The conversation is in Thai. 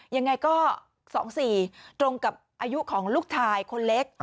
ยังไงก็๒๔ตรงกับอายุของลูกชายคนเล็ก